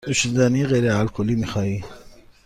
نوشیدنی غیر الکلی می خواهی؟